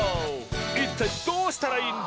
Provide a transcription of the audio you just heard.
いったいどうしたらいいんだ？